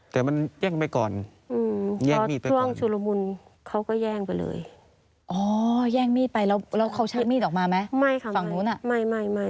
แต่ว่ามีดไม่ได้มีดล้วนนะคะมีปอกใส่มีปอกใส่